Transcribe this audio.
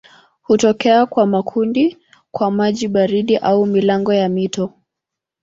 Hutokea kwa makundi kwa maji baridi au milango ya mito.